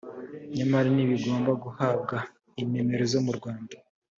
nyamara ntibigomba guhabwa inomero zo mu rwanda